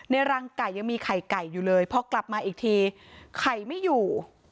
รังไก่ยังมีไข่ไก่อยู่เลยพอกลับมาอีกทีไข่ไม่อยู่